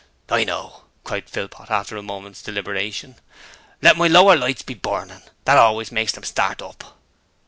'I know!' cried Philpot after a moment's deliberation. '"Let my lower lights be burning." That always makes 'em part up.'